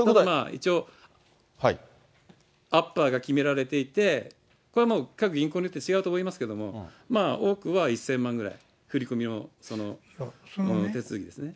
一応、アッパーが決められていて、これはもう、各銀行によって違うと思いますけれども、多くは１０００万円ぐらい、振り込みの手続きですね。